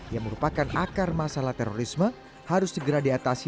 yang merupakan akar masalah terorisme harus segera diatasi